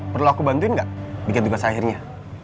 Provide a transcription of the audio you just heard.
perlu aku bantuin nggak bikin tugas akhirnya